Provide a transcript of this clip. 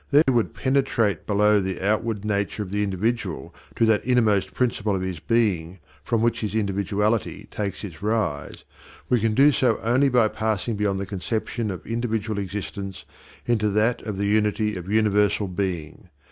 Therefore if we would penetrate below the outward nature of the individual to that innermost principle of his being from which his individuality takes its rise, we can do so only by passing beyond the conception of individual existence into that of the unity of universal being.